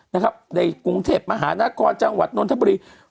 ในกรุงเทพมหานครจังหวัดนนทบุรี